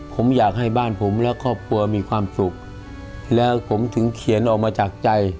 ผมอยากให้บ้านผมและครอบครัวมีความสุขแล้วผมถึงเขียนออกมาจากใจ